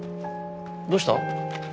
どうした？